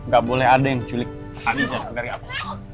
gak boleh ada yang culik aliza dari aku